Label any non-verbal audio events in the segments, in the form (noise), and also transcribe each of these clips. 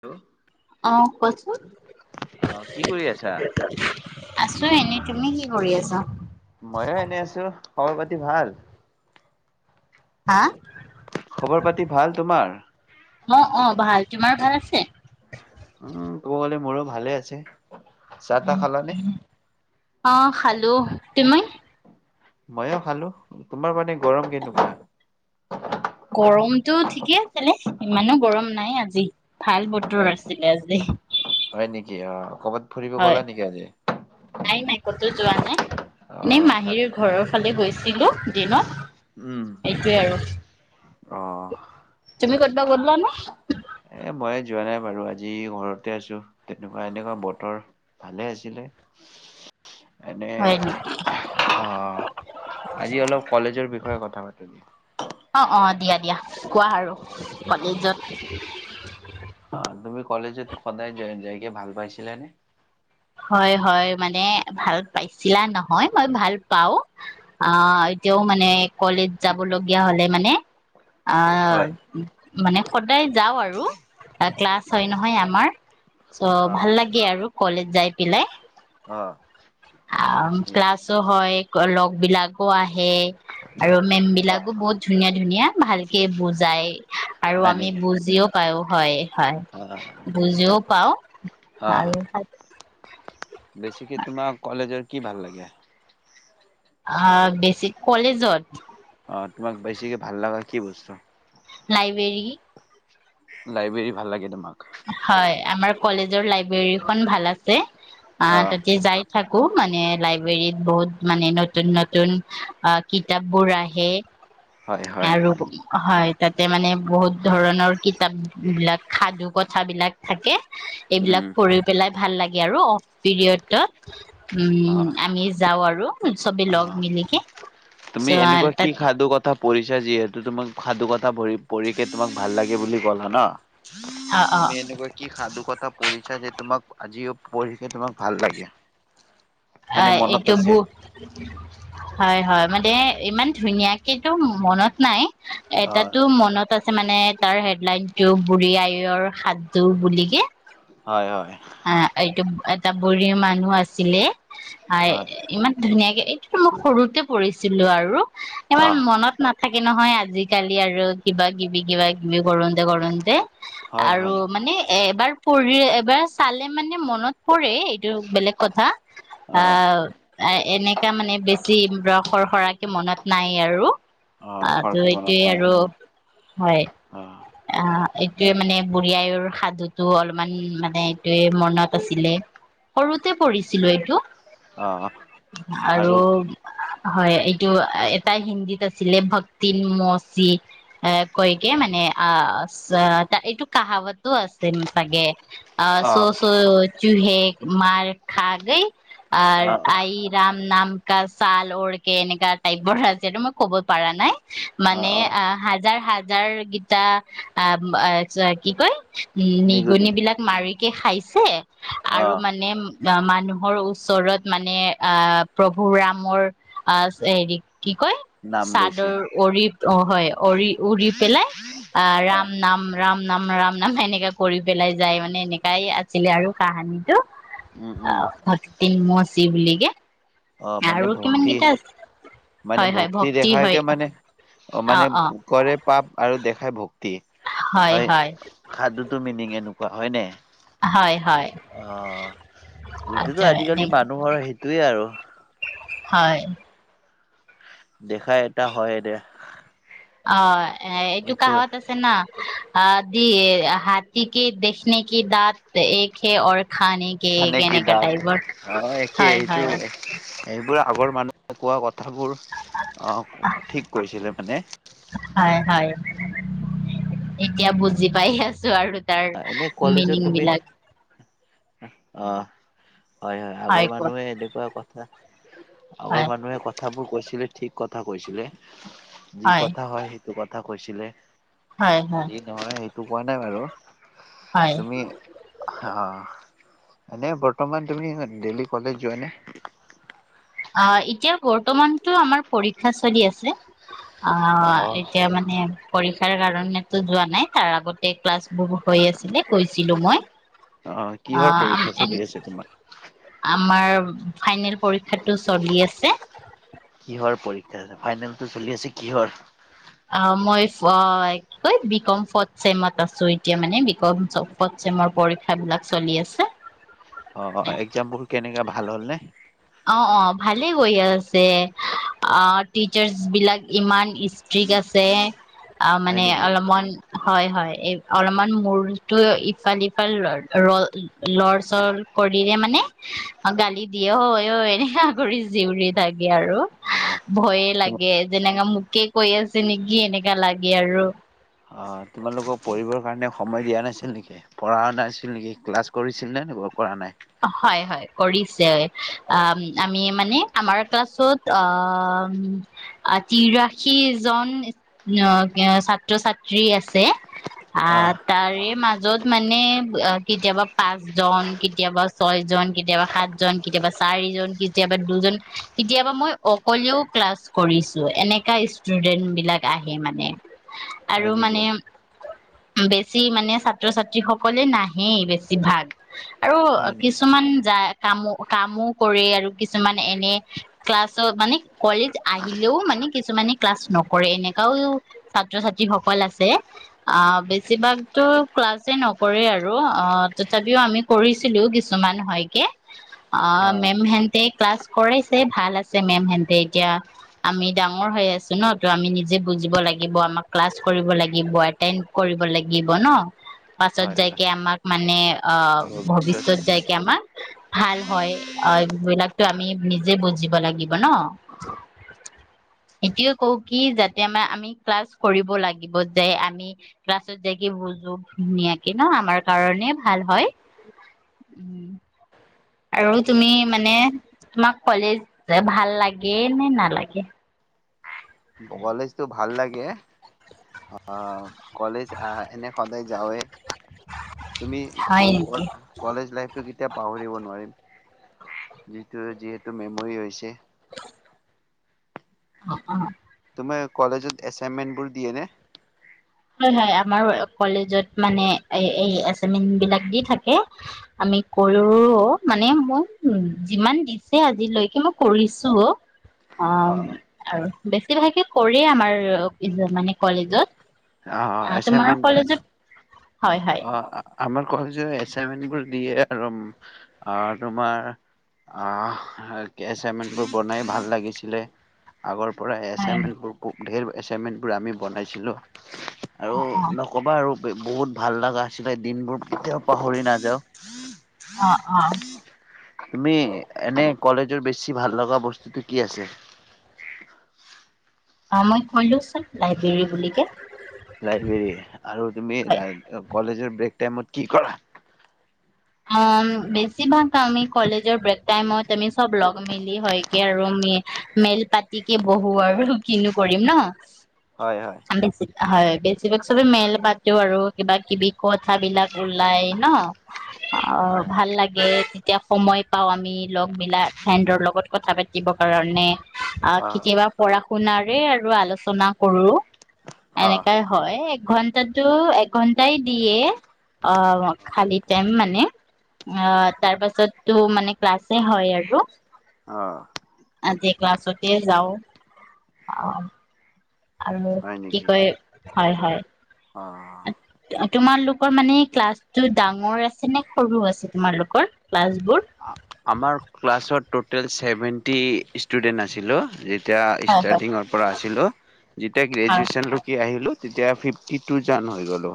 Hello অঁ কোৱাচোন, অ কি কৰি আছা? আছো এনেই তুমি কি কৰি আছা? ময়ো এনে আছো খবৰ পাতি ভাল হা খবৰ পাতি ভাল তোমাৰ? অ অ ভাল তোমাৰ ভাল আছে (unintelligible) উম কব গ'লে মোৰো ভালে আছে। চা টা খালানে? অহ খালো, তুমি? ময়ও খালো তোমাৰ ফালে গৰম কেনেকুৱা? গৰমটো ঠিকেই আছিলে ইমানো গৰম নাই আজি। ভাল হয় বতৰ আছিলে আজি। হয় নেকি অ ক'বাত ফুৰিব হয় গলা নেকি আজি? (unintelligible) যোৱা নে? অ এনেই ভাল মাহীৰ ঘৰৰ ফালে গৈ -ছিলো দিনত উম এইটোৱে অ আৰু। তুমি ক'তবা গলা নে? এ মই যোৱা নাই বাৰু আজি ঘৰতে আছো তেনেকুৱা এনেকুৱা বতৰ ভালে আছিলে। এনে হয় নেকি অ আজি অলপ কলেজৰ বিষয়ে কথা কথা পাতো দিয়া। অ অ দিয়া দিয়া কোৱা আৰু কলেজত তুমি কলেজেতো সদায় যাইক ভাল পাইছে নে? হয় হয় মানে ভাল পাইছিলা নহয় মই ভাল পাওঁ আহ এতিয়াও মানে কলেজ যাবলগীয়া হলে মানে। অ হয় মানে সদায় যাও আৰু ক্লাছ অ হয় নহয় আমাৰ চ' অ ভাল লাগে আৰু। কলেজ যাই পিলাই। অ। আ ক্লাছো হয়। লগ বিলাকো আহে, আহে আৰু মেম বিলাকো বহুত ধুনীয়া ধুনীয়া ভালকে বুজাই আৰু হয় আমি নেকি বুজিও পাওঁ হয়। হয় অ বুজিও পাও অ আৰু বেছিকে তোমাৰ কলেজৰ কি ভাল লাগে? অ বেছিক কলেজত অ তোমাক বেছিকে ভাল লগা কি বস্তু লাইব্ৰেৰী। লাইব্ৰেৰী ভাল লাগে তোমাক। হয় আমাৰ কলেজৰ লাইব্ৰেৰীখন ভাল আছে। আ অ তাতে যাই থাকো মানে লাইব্ৰেৰীত বহুত মানে নতুন নতুন কিতাপ বোৰ আহে। হয় হয় আৰু হয়। তাতে মানে বহুত ধৰণৰ কিতাপ বিলাক সাধুক ক কথাবিলাক থাকে। উম এইবিলাক পঢ়ি পেলাই ভাল লাগে। আৰু অফ পিৰিয়ডত অ উম আমি যাওঁ আৰু চবে অ লগ মিলিকে চ তুমি এনেকুৱা কি তাত সাধু কথা পঢ়িছা যিহেতু তোমাক সাধু কথা পঢ়িকে তোমাক ভাল লাগে বুলি ক'লা ন। অ অ তুমি এনেকুৱা কি সাধু কথা পঢ়িছা যে তোমাক আজিও পঢ়িকে তোমাক ভাল লাগে। মানে আহ মনত এইটো আছে হয় হয়। মানে ইমান ধুনীয়াকেতো মনত নাই। অ এটাতো মনত আছে মানে তাৰ হেডলাইন টো বুঢ়ী আয়ৰ সাধু বুলি কে হয়-হয়। অ' এইটো এটা বুঢ়ী মানুহ আছিলে হয় ইমান ধুনীয়াকে এইটোতো মই সৰুতে পঢ়িছিলো আৰু অ ইমান মনত নাথাকে। থাকে নহয় আজিকালি আৰু কিবা-কিবি, কিবা- কিবি বুৰঞ্জী কৰন্তে কৰন্তে হয় আৰু হয় মানে এ এবাৰ পঢ়ি এবাৰ চালে মানে মনত পৰে এইটো বেলেগ কথা। আহ অ' এনেকা মানে বেছি যি ৰসৰ সৰাকে মনত নাই আৰু আহ অহ খৰকে মনত এইটোৱেইে নাই আৰু হয়। আহ অ' এইটোৱে মানে বুঢ়ী আইৰ সাধুতটো অলপমান মানে এইটোয়ে মনত আছিলে, সৰুতে পঢ়িছিলো এইটো আহ আৰু হয় এইটো এটা হিন্দীত আছিলে, ভক্তি মৌচি এ কৈকে মানে অ' এইটো কাহাৱতো আছে চাগে অ' আহ চ-চ চুহে মাৰ খা গৈ। আৰু আহ আই ৰাম নাম। ছাল অওকে এনেককা টাইপ বৰ আছিল মই ক'ব পৰা নাই। আহ মানে আহ আ হাজাৰ হাজাৰ যাৰ গি এ আহ কি কয় উম নিগুনি নিগনিবিলাক মাৰি কে খাইছে। আৰু আহ মানে অহ মানুহৰ ওচৰত মানে অহ প্ৰভু ৰামৰ অহ হেৰি কি কয় নাম লৈছে চাদৰ অৰিপ অ' হয়। অৰি, উৰি পেলাই। আ আহ ৰাম নাম। ৰাম নাম, ৰাম নাম সেনেকা কৰি পেলাই যায় মানে এনেকাই আছিলে আৰু কাহানিটো। উম উম অ'। তিন ম চি হলগ (unintelligible) অ মানে ভক্তি মানে হয় হয় ভক্তি হয় দেখাইকে মানে অ মানেকৰে পাপ আৰু দেখাই ভোক হয় খাদ মিনিং এনেকুৱা হয় ন? হয় হয় অ গোটটো আচ্ছা আজিকালি মানুহৰ সেইটোয়ে আৰু হয়। দেখা এটা হয়নে? অ। এ এইটো কাহত আছে না আ দি হথী কে দেখনে কি দাঁত এক হে খানে কি এক খানেক এনেকা দ টাইপৰ অ একে হয় সেইটো হয় এইেইবোৰ আগৰ মানুহ কোৱা কথাবোৰ আহ ঠিক কৈছিলে মানে! হয় হয় এতিয়া বুজি পাই আছো আৰু তাৰ এনে কলেজত মিনিং তুমি বিলাক। অ। হয় হয় আগৰ মানুহে এনেকুৱা কথা ত (unintelligible) আগৰ হয় মানুহে কথাবোৰ কৈছে। ঠিক কথা কৈছিলে! যি কথা হয় সেইটো কথা কথা কৈছিলে। হয় দ হয় নহয় টো পোৱা নাই বাৰু হয় তুমি? অ এনে বৰ্তমান তুমি ডেইলি কলেজ যোৱা নে? অ এতিয়া বৰ্তমানতটো আমাৰ পৰীক্ষা চলি আছে। অ অ', এতিয়া মানে পৰীক্ষাৰ কাৰণে ণো যোৱা নাই তাৰ আগতে ক্লাছ ব হৈ আছিলে কৈছিলো মই অ কিহৰ পৰীক্ষা চলি আছে তোমাৰ? আমাৰ ফাইনেল পৰীক্ষাত। চলি আছে। কিহৰ পৰীক্ষা আছে ফাইনেলটো চলি আছে কিহৰ? অঁ, মই ম কি কয় বি কম ফৰ্থ ছেমত আছো এতিয়া মানে এতিয়া বি কম ফৰ্থ ছেমৰ পৰীক্ষাবিলাক চলি আছে। অ', অ', এক্জামবোৰ কেনেকা ভাল হ'ল নে? অ', অ', ভালে গৈ আছে অ টিচাৰ্চ বিলাক ইমান ষ্ট্ৰিক্ট আছে। অ হয় মানে নেকি? অলপমানন হয় হয়। এ অলপমান মূৰতো ইফাল ইফাল লৰ চৰ কৰিলে মানে গালি দিয়ে হয়। (unintelligible) কৰি জিউৰি থাকে আৰু। অ', ভয়ে তোমাৰ লাগে যেনেকা মো কে কৈ আছে নেকি এনেকা লাগে আৰু। অঁ তোমালোকক পঢ়িবৰ কাৰণে সময় দিয়া নাছিল নেকি পঢ়া নাছিল নেকি ক্লাছ কৰিছিল নে, ন কৰা নাই? হয় হয় কৰিছে আ আমি মানে আমাৰ ক্লাছত অ তিৰাশী জন ছাত্ৰ ছাত্ৰী আছে। আ অ', তাৰে মাজ য'ত মানে অ কেতিয়াবা পাঁচ জন কেতিয়াবা ছয় জন কেতিয়াবা সাত জন কেতিয়াবা চাৰি জন কেতিয়াবা দুজন কেতিয়াবা মই অকলেও ক্লাছ কৰিছো এনেকা ষ্টুডেন্ট বিলাক আহে মানে। আৰু হয় নেকি? মানে বেছি মানে ছাত্ৰ ছাত্ৰী সকলে নাহেই বেছি ভাগ। আৰু হয় নেকি? কিছুমান জা কামো কামো কৰে আৰু কিছুমান এনে ক্লাছৰ মানে কলেজ আহিলেও মানে কিছুমানে ক্লাছ নকৰে এনেকাও ছাত্ৰ ছাত্ৰী সকল আছে আহ বেছিভাগতো ক্লাছে নকৰে আৰু অ তথাপিও আমি কৰিছিলো কি কিছুমান হয় কে আ অ', মেম হেনতে ক্লাছ কৰাইছে ভাল আছে মেম হেনতে এতিয়া আমি ডাঙৰ হৈ আছো ন ত' আমি নিজে বুজিব লাগিব আমাক ক্লাছ কৰিব লাগিব এটড কৰিব লাগিব ন পাছত হয়, হয়। যাইকে আমাক মানে অ ভবি ভৱিষ্যত যাইকে আমাৰ ভাল হয় এইবিলাকো আমি নিজে বুজিব লাগিব ন এতিয়ও কও কি যাতে আমাৰ আমি ক্লাছ কৰিব লাগিব যে আমি ক্লাছত যাইকে বুজো ধুনীয়াকে ন আমাৰ কাৰণে ভাল হয়। উম আৰু তুমি মানে তোমাক কলেজ ভাল লাগে নে নালাগে? কলেজ তো ভাল লাগে অ', কলেজ আহ এনে সদায় যাওঁৱে তুমি হয় নেকি? কলেজ লাইফটো কেতিয়াও পাহৰিব নোৱাৰিম। যিটো যিহেতু মেমৰি হৈছে। (unintelligible) তোমাৰ কলেজত এছাইনমেণ্টবোৰ দিয়ে নে? হয় হয় আমাৰ কলেজত মানে এই এচাইনমেন্ট বিলাক দি থাকে আমি কৰো মানে মোক যিমান দিছে আজিলৈকে মই কৰিছোও। অ আৰু বেছিভাগে কৰে আমাৰ মানে কলেজত। অ', অঁ, তোমাৰ এচাইনমেন্ট কলেজত হয় হয়। অ', আমাৰ কলেজে এচাইমেন্টবোৰ দিয়ে আৰু তোমাৰ এচাইমেন্টোৰ বনাই ভাল লাগিছিল আগৰ পৰা হয় নেকি? এছাইমেটবোৰ ব ধেৰ এচাইনমেণ্টবোৰ আমি বনাইছিলোঁ। আৰু অ' নকবা আৰু বহুত ভাল লগা আছিলে দিনবোৰ কেতিয়াও পাহৰি নাযাওঁ। অ' অ' তুমি এনে কলেজৰ বেছি ভাল লগা বস্তুটো কি আছে? অ' মই কলোচোন লাইব্ৰেৰী বুলিকে। লাইব্ৰেৰী আৰু তুমি হয়। কলেজৰ ব্ৰেক টাইমত কি কৰা? অ' বেছিভাগ আমি কলেজৰ ব্ৰেক টাইমত আমি চব লগ মিলি হয়কে আৰু আমি মেল পাতি কে বহো আৰু কিনো কৰিম ন। হয় হয়। বেছি হয় বেছিভাগ চবে মেল পাতো আৰু কিবা কিবি কথাবিলাক ওলাই ন। অ' হয় হয় ভাল লাগে যেতিয়া সময় পাওঁ আমি লগ মিলা ফ্ৰেণ্ডৰ লগত কথা পাতিবৰ কাৰণে অ' কেতিয়াবা পঢ়া শুনাৰ সেই আৰু আলোচনা কৰো। অ এনেকাই হয়। ঘন্টাটো এঘন্টাই দিয়ে অ' খালি টাইম মানে নে। অ' তাৰ পাছতটো মানে ক্লাছে হয় আৰু। অ'। আজি ক্লাছতে যাও অ' আৰু হয় কি নেকি কয় হয় হয়। অ'। তোমালোকৰ মানে ক্লাছটো ডাঙৰ আছে নে সৰু আছে তোমালোকৰ ক্লাছ বোৰ? আমাৰ ক্লাছত টোতেল ছেভেন্টি ষ্টুডেন্ট আছিলো। এতিয়া হয় ষ্টাৰ্টিঙৰ পৰা আছিলো যেতিয়া হয় হয় গ্ৰেজুুৱেচনলৈক কি আহিলো তেতিয়া ফিফটি টু জন হৈ গ'লো।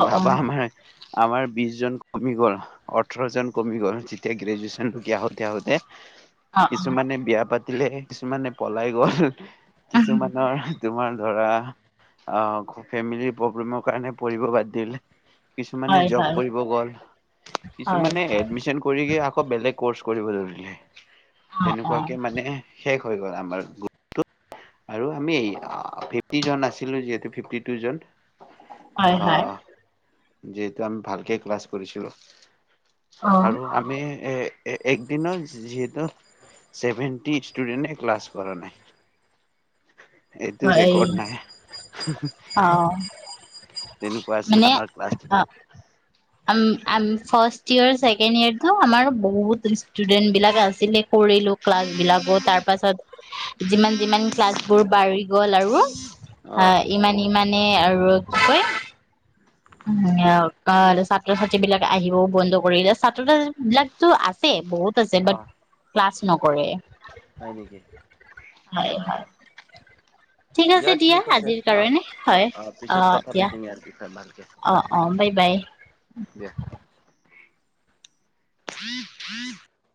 অ ভাৱা আমাৰ আমাৰ বিশ জন কমি গ'ল, ওঠৰ জন কমি গ'ল। যেতিয়া গ্ৰেজুৱেচন আহোতে আহোতে অ অ কিছুমানে বিয়া পাত তিলে কিছুমানে পলাই গ'ল অ কিছুমানৰ তোমাৰ ধৰা ফেমিলি প্ৰব্লেমৰ কাৰণে পৰিব বাদ দিল কিছুমানে হয় জব হয় হয় কৰিব গ'ল অ কিছুমানে এডমিন আকৌ বেলেগ কৰ্চ কৰিব ধৰিলে। অ তেনেকুৱাকে মানে শেষ হৈ গ'ল আমাৰ গু আৰু আমি এই ফিফটি জন আছিলো যিহেতু ফিফটি টু জন। হয় হয় আহ। যিহেতু আমি ভালকে ক্লাছ কৰিছিলো। অ আৰু আমি এ একদিন যিহেতু চেভেনটি ষ্টুডেট ক্লাছ কৰা নাই। এইটো হয় ৰেকৰ্ড নাই। অ তেনেকুৱা আছিল মানে আমাৰ ক্লাছ অ আম ফাৰ্ষ ইয়ৰ ছেকেণ্ড ইয়াৰটো আমাৰ বহুত ষ্টুডেন্ট বিলাক আছিলে। কৰিলো ক্লাছ বিলাকো তাৰ পাছত যিমান যিমান ক্লাছ বোৰ বাঢ়ি গল আৰু অ ইমান ইমান, মানে আৰু কি কয়, ছাত্ৰ ছাত্ৰী বিলাক আহিব বন্ধ কৰিলে ছাত্ৰ ছাত্ৰী বিলাকতো আছে বহুত, আছে অ বাত ক্লাছ নকৰে। হয় নেকি হয় আহ। হয় ঠিক আছে দিয়া আজিৰ কাৰণে হয় অ পিছত কথা দিয়া। পাতিম (unintelligible) অ অ বাই বাই। দিয়া (unintelligible)